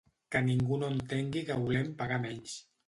Que ningú no entengui que volem pagar menys.